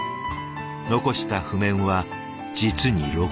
残した譜面は実に６万曲。